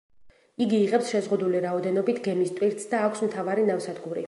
იგი იღებს შეზღუდული რაოდენობით გემის ტვირთს და აქვს მთავარი ნავსადგური.